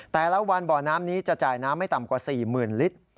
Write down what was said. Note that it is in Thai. แต่ละวันบ่อน้ำนี้จะจ่ายน้ำไม่ต่ำกว่า๔๐๐๐ลิตร